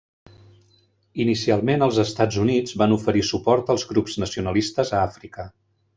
Inicialment, els Estats Units van oferir suport als grups nacionalistes a Àfrica.